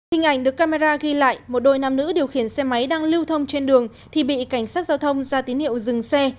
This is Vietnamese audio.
hình ảnh được camera ghi lại một đôi nam nữ điều khiển xe máy đang lưu thông trên đường thì bị cảnh sát giao thông ra tín hiệu dừng xe